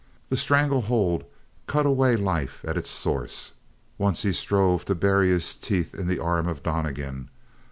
The strangle hold cut away life at its source. Once he strove to bury his teeth in the arm of Donnegan.